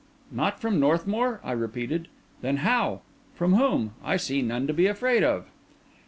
"Not from Northmour?" I repeated. "Then how? From whom? I see none to be afraid of."